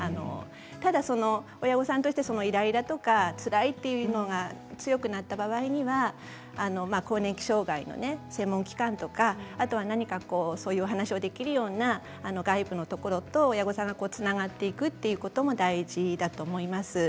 ただ、親御さんとしてイライラとか、つらいというのが強くなった場合には更年期障害の専門機関とかあとは何かそういうお話ができるような外部のところと親御さんがつながっていくということも大事だと思います。